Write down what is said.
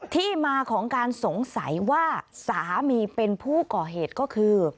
ที่มาของการสงสัยว่าสามีเป็นผู้ก่อเหตุก็คือ